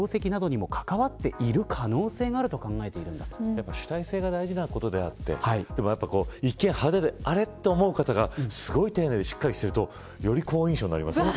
やっぱり主体性が大事なことであってでも一見派手であれっと思う方がすごい丁寧でしっかりしているとより好印象になりますよね。